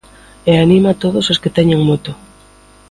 E anima a todos os que teñen moto.